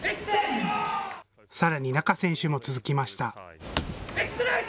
さらに仲選手も続きました。